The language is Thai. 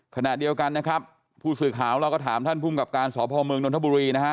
ขณะเดียวกันนะครับผู้สื่อข่าวเราก็ถามท่านภูมิกับการสพเมืองนทบุรีนะฮะ